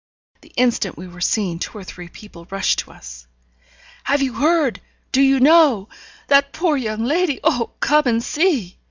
The instant we were seen, two or three people rushed to us. 'Have you heard? Do you know? That poor young lady oh, come and see!'